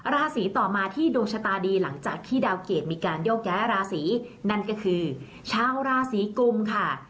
ราศีต่อมาที่ดวงชะตาดีหลังจากที่ดาวเกรดมีการโยกย้ายราศีนั่นก็คือชาวราศีกุมค่ะ